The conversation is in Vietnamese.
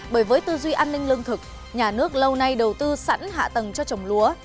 bởi với tư duy an ninh lương thực nhà nước lâu nay đầu tư sẵn hạ tầng cho trồng lúa